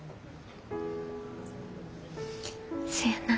そやな。